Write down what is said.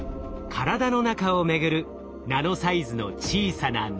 体の中を巡るナノサイズの小さな乗り物。